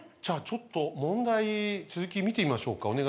じゃあちょっと問題続き見てみましょうか。